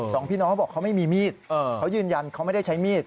สองพี่น้องเขาบอกเขาไม่มีมีดเขายืนยันเขาไม่ได้ใช้มีด